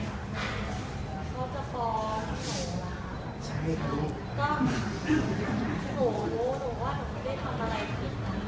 หนูรู้รู้รู้ว่าเราไม่ได้ทำอะไรผิดเลยครับ